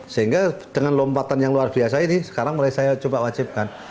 sehingga dengan lompatan yang luar biasa ini sekarang mulai saya coba wajibkan